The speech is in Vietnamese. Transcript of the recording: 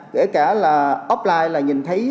kể cả là offline là nhìn thấy